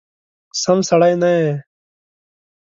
سم سړی نه یې !